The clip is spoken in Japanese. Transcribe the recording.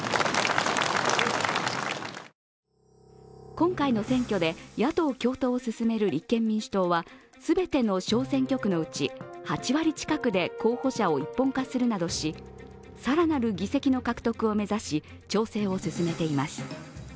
今回の選挙で野党共闘を進める立憲民主党は全ての小選挙区のうち８割近くで候補者を一本化するなどしさらなる議席の獲得を目指し調整を進めています。